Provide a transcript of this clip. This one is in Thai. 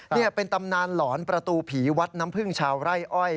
นี่เป็นตำนานหลอนประตูผีวัดน้ำพึ่งชาวไร่อ้อย